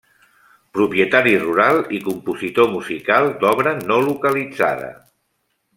Propietari rural i compositor musical d'obra no localitzada.